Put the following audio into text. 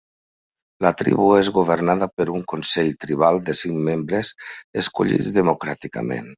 La tribu és governada per un consell tribal de cinc membres escollits democràticament.